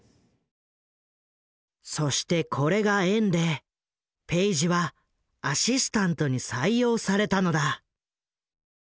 そしてこれが縁でペイジはアシスタントに採用されたのだ。